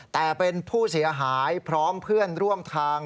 แต่เป็นผู้เสียหายพร้อมเพื่อนร่วมทาง